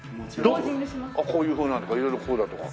こういうふうなのとか色々こうだとか。